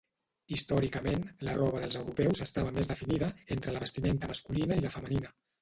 Històricament, la roba dels europeus estava més definida entre la vestimenta masculina i la femenina.